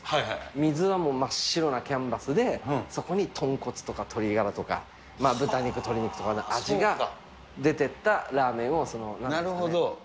水はもう真っ白なキャンバスで、そこに豚骨とか鶏ガラとか、豚肉、鶏肉とかの味が出ていったラーメンを、なんて言うんですかなるほど。